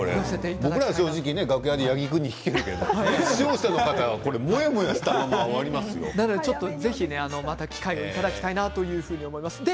僕らは正直、楽屋で八木君に聞けるけど、視聴者の方はぜひ、また機会をいただきたいなと思います。